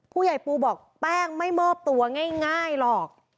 ปูบอกแป้งไม่มอบตัวง่ายหรอก